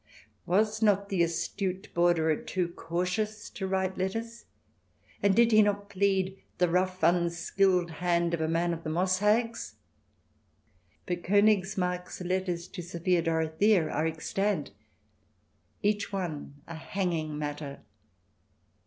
Was not the astute Borderer too cautious to write letters, and did he not plead the rough, unskilled hand of a man of the moss hags ? But Konigsmarck's letters to Sophia Dorothea are extant, each one a hanging matter.